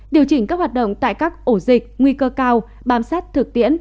điều chỉnh các hoạt động tại các ổ dịch nguy cơ cao bám sát thực tiễn